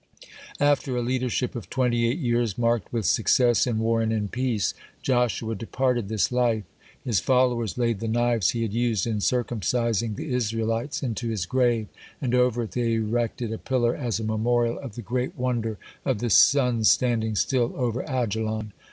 (52) After a leadership of twenty eight years (53), marked with success (54) in war and in peace, Joshua departed this life. His followers laid the knives he had used in circumcising the Israelites (55) into his grave, and over it they erected a pillar as a memorial of the great wonder of the sun's standing still over Ajalon.